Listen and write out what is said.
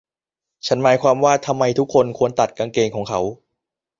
ฉันหมายความว่า ทำไมทุกคนควรตัดกางเกงของเขา ?